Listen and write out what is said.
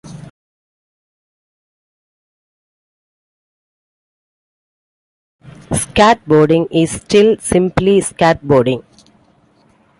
Skateboarding is still simply skateboarding.